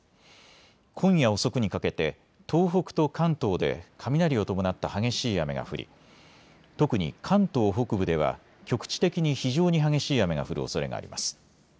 今夜遅くにかけて東北と関東で雷を伴った激しい雨が降り特に関東北部では局地的に非常に激しい雨が降るおそれがあります。